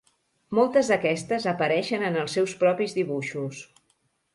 Moltes d'aquestes apareixen en els seus propis dibuixos.